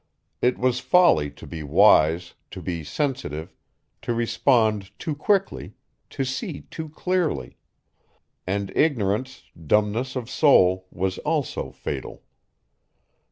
It was folly to be wise, to be sensitive, to respond too quickly, to see too clearly; and ignorance, dumbness of soul, was also fatal.